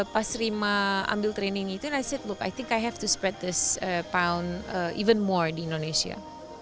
pas rima ambil latihan itu saya pikir saya harus menyebarkan pound ini lebih banyak di indonesia